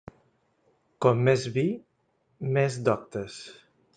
Com més vi més doctes.